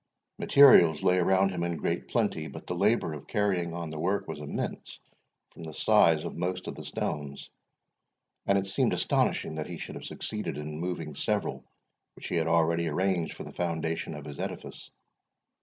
Materials lay around him in great plenty, but the labour of carrying on the work was immense, from the size of most of the stones; and it seemed astonishing that he should have succeeded in moving several which he had already arranged for the foundation of his edifice.